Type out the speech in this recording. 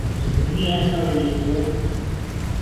Nia noiñedɨo?